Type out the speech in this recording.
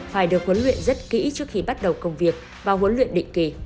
phải được huấn luyện rất kỹ trước khi bắt đầu công việc và huấn luyện định kỳ